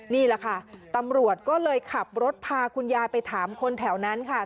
นี่แหละค่ะตำรวจก็เลยขับรถพาคุณยายไปถามคนแถวนั้นค่ะ